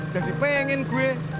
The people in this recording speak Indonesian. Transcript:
jadi pengen gue